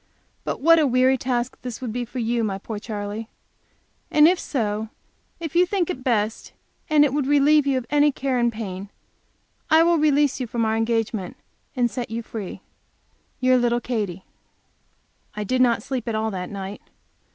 But what a weary task this would be to you, my poor Charley! And so, if you think it best, and it would relieve you of any care and pain, I will release you from our engagement and set you free. Your Little Katy. I did not sleep at all that night.